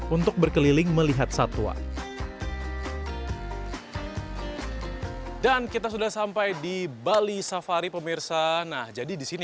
untuk berkeliling melihat satwa dan kita sudah sampai di bali safari pemirsa nah jadi disini